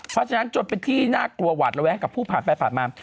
เพราะฉะนั้นจนเป็นที่น่ากลัวหวาดระแวงกับผู้ผ่านไปผ่านมา